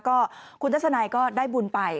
ก็คุณทัศนัยก็ได้บุญไป